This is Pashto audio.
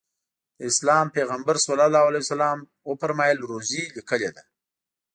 د اسلام پیغمبر ص وفرمایل روزي لیکلې ده.